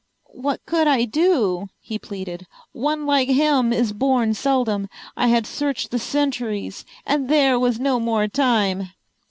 "What could I do?" he pleaded. "One like him is born seldom. I had searched the centuries, and there was no more time."